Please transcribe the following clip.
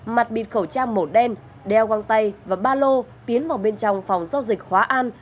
mặt bịt khẩu trang màu đen đeo găng tay và ba lô tiến vào bên trong phòng giao dịch hóa an